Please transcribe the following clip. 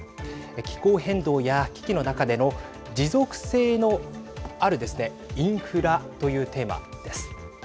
気候変動や危機の中での持続性のあるですね、インフラというテーマです。